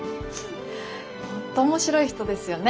本当面白い人ですよね